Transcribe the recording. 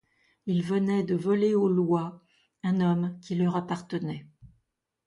Il venait de voler aux lois un homme qui leur appartenait.